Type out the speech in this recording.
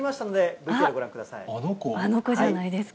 あの子じゃないですか？